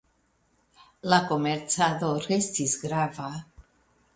La komercado restis grava.